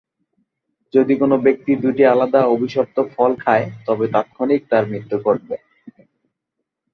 যদি কোনো ব্যক্তি দুটি আলাদা অভিশপ্ত ফল খায় তবে তাৎক্ষনিক তার মৃত্যু ঘটবে।